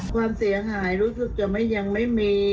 ความเสี่ยงหายดูดถึงแต่ยังไม่มี